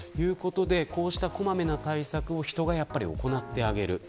こういう小まめな対策を人が行ってあげる。